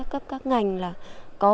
các ngành là có